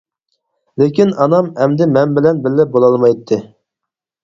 لېكىن ئانام ئەمدى مەن بىلەن بىللە بولالمايتتى.